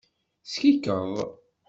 Skikeḍ.